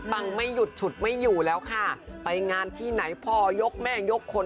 ฟังไม่หยุดฉุดไม่อยู่แล้วค่ะไปงานที่ไหนพ่อยกแม่ยกคน